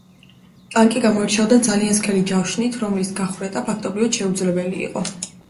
ტანკი გამოირჩეოდა ძალიან სქელი ჯავშნით, რომლის გახვრეტა ფაქტობრივად შეუძლებელი იყო.